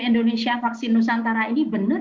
indonesia vaksin nusantara ini benar